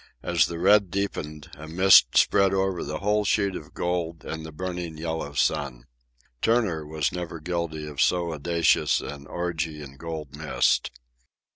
As the red deepened, a mist spread over the whole sheet of gold and the burning yellow sun. Turner was never guilty of so audacious an orgy in gold mist.